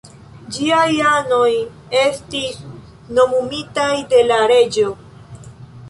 Ĝiaj anoj estis nomumitaj de la reĝo.